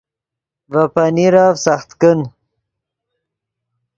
ڤے پنیرف سخت کن